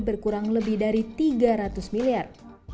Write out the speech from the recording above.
berkurang lebih dari tiga ratus miliar